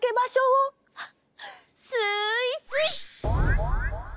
スイスイ！